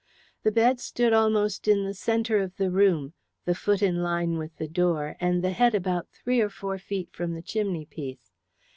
The bed stood almost in the centre of the room, the foot in line with the door, and the head about three or four feet from the chimney piece.